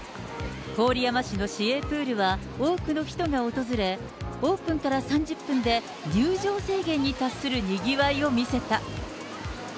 郡山市の市営プールは多くの人が訪れ、オープンから３０分で入場制限に達するにぎわいを見せた。